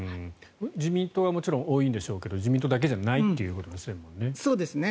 自民党はもちろん多いんでしょうけど自民党だけじゃないということでしょうね。